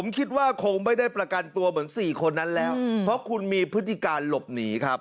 คิดว่าคงไม่ได้ประกันตัวเหมือน๔คนนั้นแล้วเพราะคุณมีพฤติการหลบหนีครับ